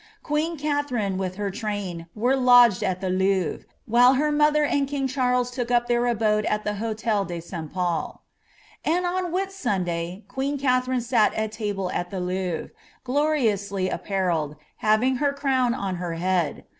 Queen Katherine, ivith her train, were lixlged at the Louvre, while her mother and king Charles took up their abode at Uie Hotel de St. PnuL '>And on Whit Sunday queen Kaiherine sat at table at the Louvre, gloriously apparelled, having her crown on her bead.